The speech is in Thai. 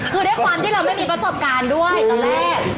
คือด้วยความที่เราไม่มีประสบการณ์ด้วยตอนแรก